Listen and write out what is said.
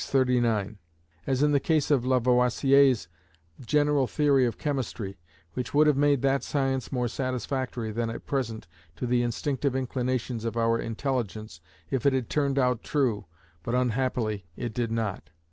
639): as in the case of Lavoisier's general theory of chemistry, which would have made that science more satisfactory than at present to "the instinctive inclinations of our intelligence" if it had turned out true, but unhappily it did not.